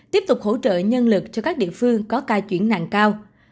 tiếp tục hỗ trợ nhân lực cho các địa phương có ca chuyển nạn cao